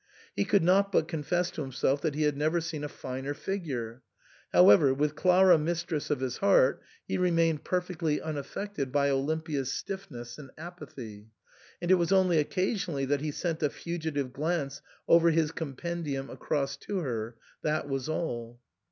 He could not but con fess to himself that he had never seen a finer figure. However, with Clara mistress of his heart, he remained perfectly unaffected by Olimpia's stiffness and apathy ; and it was only occasionally that he sent a fugitive glance over his compendium across to her — that was all.